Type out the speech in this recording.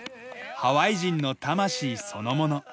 ハワイ人の魂そのもの。